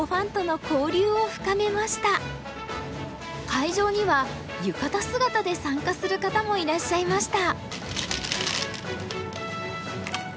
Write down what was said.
会場には浴衣姿で参加する方もいらっしゃいました。